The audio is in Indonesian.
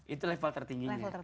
itu level tertingginya